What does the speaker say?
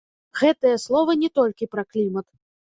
Гэтыя словы не толькі пра клімат.